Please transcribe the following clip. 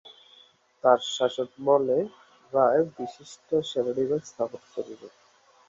তার শাসনামলে হায়দ্রাবাদে ব্রিটিশরা সেনানিবাস স্থাপন করে।